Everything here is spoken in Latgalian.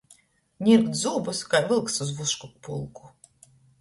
Nirgt zūbus kai vylks iz vušku pulku.